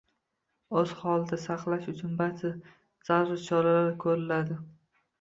O‘z holida saqlash uchun barcha zarur choralar ko‘riladi.